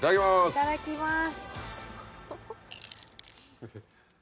いただきます。